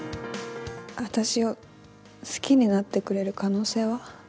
私を好きになってくれる可能性は？